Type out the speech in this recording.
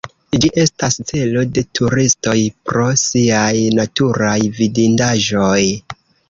Ĝi estas celo de turistoj pro siaj naturaj vidindaĵoj.